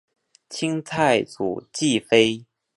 清太祖继妃。